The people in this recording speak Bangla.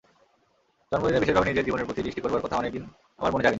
জন্মদিনে বিশেষভাবে নিজের জীবনের প্রতি দৃষ্টি করবার কথা অনেকদিন আমার মনে জাগেনি।